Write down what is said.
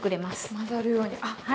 混ざるように。